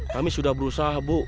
kami sudah berusaha bu